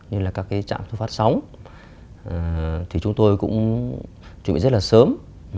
như là các cái trạm thu phát sóng thì chúng tôi cũng chuẩn bị rất là sớm